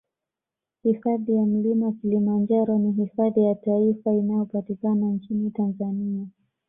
Hifadhi ya Mlima Kilimanjaro ni hifadhi ya taifa inayopatikana nchini Tanzania